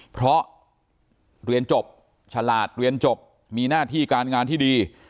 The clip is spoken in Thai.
เพราะเรียนจบฉลาดเรียนจบมีหน้าที่การงานที่ดี